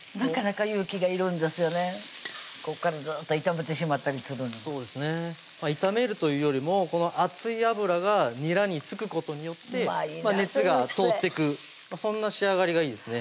ここからずっと炒めてしまったりするの炒めるというよりもこの熱い油がにらに付くことによって熱が通ってくそんな仕上がりがいいですね